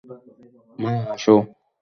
মা, আসো।